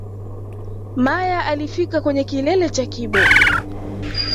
Meyer alifika kwenye kilele cha Kibo